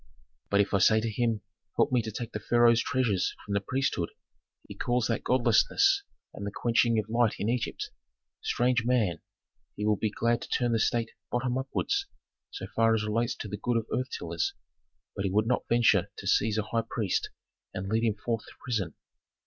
But if I say to him: help me to take the pharaoh's treasures from the priesthood, he calls that godlessness and the quenching of light in Egypt. Strange man, he would be glad to turn the state bottom upwards, so far as relates to the good of earth tillers, but he would not venture to seize a high priest and lead him forth to prison.